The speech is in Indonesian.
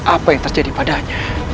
apa yang terjadi padanya